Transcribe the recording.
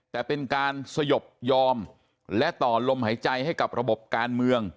แต่เป็นการสยบยอมและต่อลมหายใจให้กับระบบการเมือง